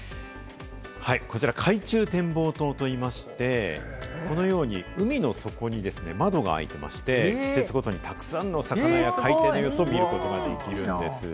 こちら海中展望塔といいまして、このように海の底に窓が開いていまして、季節ごとにたくさんの魚の様子などを見ることができるんです。